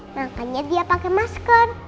makanya dia pake masker